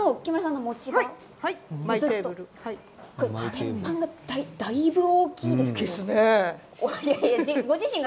鉄板がだいぶ大きいですね。